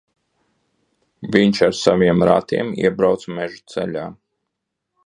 Viņš ar saviem ratiem iebrauca meža ceļā.